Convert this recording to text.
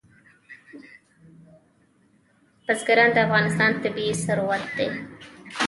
بزګان د افغانستان طبعي ثروت دی.